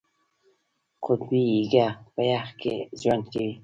قطبي هیږه په یخ کې ژوند کوي